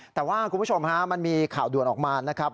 แต่ว่าคุณผู้ชมฮะมันมีข่าวด่วนออกมานะครับ